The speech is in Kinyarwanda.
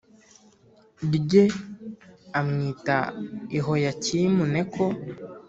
rye amwita Yehoyakimu Neko